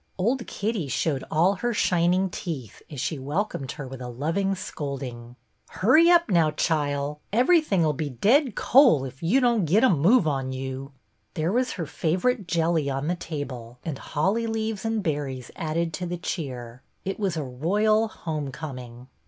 Old Kittie showed all her shinimj teeth as she welcomed her with a loving scolding. "Hurry up now, chile. Ev'ryting 'll be dead cole, ef you doan git a move on you." There was her favorite jelly on the table, and holly leaves and berries added to the cheer. It was a royal home coming.